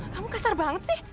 kamu kasar banget sih